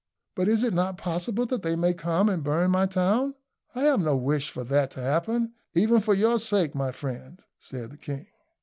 "But is it not possible that they may come and burn my town? I have no wish for that to happen, even for your sake, my friend," said the king.